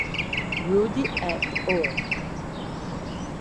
Grundy et al.